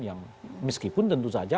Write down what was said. yang meskipun tentu saja